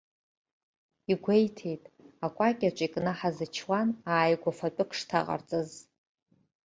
Игәеиҭеит, акәакьаҿы икнаҳаз ачуан ааигәа фатәык шҭаҟарҵаз.